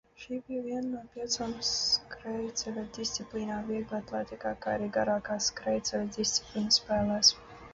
Šī bija viena no piecām skrejceļa disciplīnām vieglatlētikā, kā arī garākā skrejceļa disciplīna spēlēs.